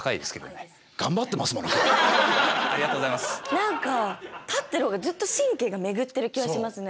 何か立ってる方がずっと神経が巡ってる気はしますね。